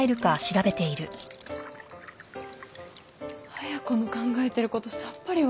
綾子の考えてる事さっぱりわからない。